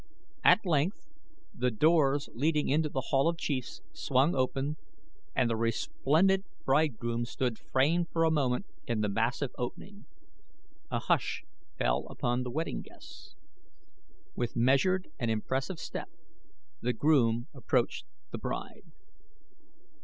At length the doors leading into The Hall of Chiefs swung open, and the resplendent bridegroom stood framed for a moment in the massive opening. A hush fell upon the wedding guests. With measured and impressive step the groom approached the bride.